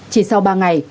chỉ sau ba ngày